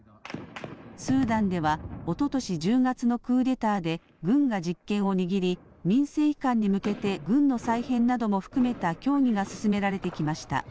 スーダンではおととし１０月のクーデターで軍が実権を握り民政移管に向けて軍の再編なども含めた協議が進められてきました。